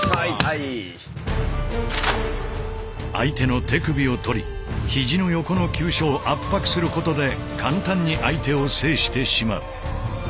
相手の手首を取り肘の横の急所を圧迫することで簡単に相手を制してしまう。